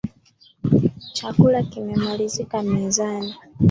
Chakula kimemalizika mezani